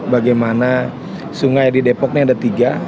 bagaimana sungai di depok ini ada tiga